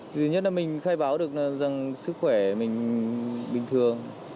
thứ nhất là mình khai báo được rằng sức khỏe mình bình thường